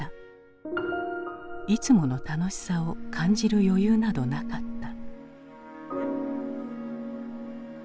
いつもの楽しさを感じる余裕などなかった。